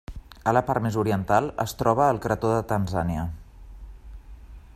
A la part més oriental es troba el crató de Tanzània.